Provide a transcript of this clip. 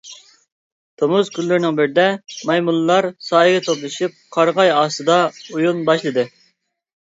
تومۇز كۈنلىرىنىڭ بىرىدە مايمۇنلار سايىگە توپلىشىپ، قارىغاي ئاستىدا ئويۇن باشلىدى.